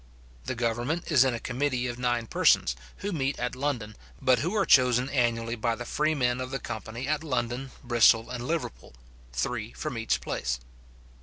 The government is in a committee of nine persons, who meet at London, but who are chosen annually by the freemen of the company at London, Bristol, and Liverpool; three from each place.